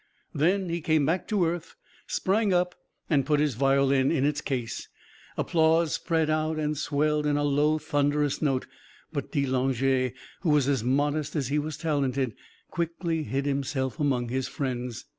Then he came back to earth, sprang up, and put his violin in its case. Applause spread out and swelled in a low, thunderous note, but de Langeais, who was as modest as he was talented, quickly hid himself among his friends.